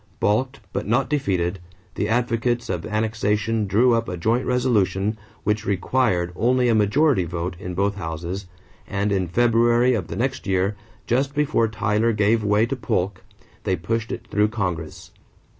Balked but not defeated, the advocates of annexation drew up a joint resolution which required only a majority vote in both houses, and in February of the next year, just before Tyler gave way to Polk, they pushed it through Congress.